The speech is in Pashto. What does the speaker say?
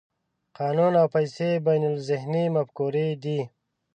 قانون او پیسې بینالذهني مفکورې دي.